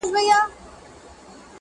o زما د ټوله ژوند تعبیر را سره خاندي,